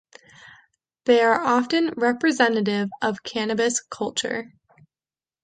They are often representative of cannabis culture.